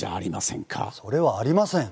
それはありません！